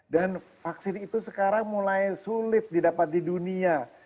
dan vaksin itu sekarang mulai sulit didapat di dunia